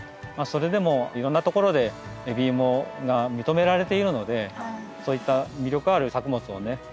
それでもいろんなところで海老芋が認められているのでそういった魅力ある作物をね